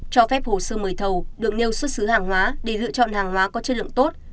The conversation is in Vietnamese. cho phép hồ sơ mời thầu được nêu xuất xứ hàng hóa để lựa chọn hàng hóa có chất lượng tốt